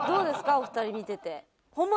お二人見てて。